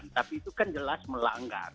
tapi itu kan jelas melanggar